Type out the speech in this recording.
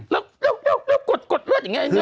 แล้วเร็วกดเลือดอีกไง